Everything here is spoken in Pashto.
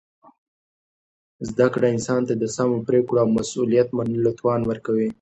زده کړه انسان ته د سمو پرېکړو او مسؤلیت منلو توان ورکوي.